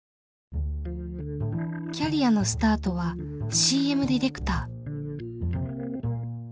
キャリアのスタートはＣＭディレクター。